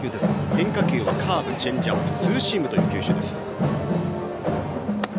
変化球はカーブ、チェンジアップツーシームという球種。